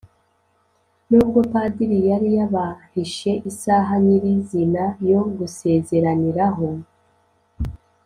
nubwo padiri yari yabahishe isaha nyirizina yo gusezeraniraho,